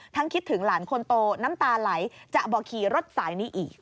คิดถึงหลานคนโตน้ำตาไหลจะบอกขี่รถสายนี้อีก